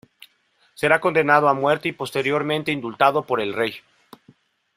Será condenado a muerte y posteriormente indultado por el rey.